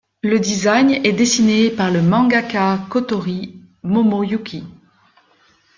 Le design est dessiné par le mangaka Kotori Momoyuki.